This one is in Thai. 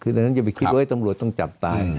คือดังนั้นอย่าไปคิดว่าตำรวจต้องจับตาย